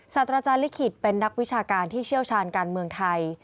อาจารย์ลิขิตเป็นนักวิชาการที่เชี่ยวชาญการเมืองไทย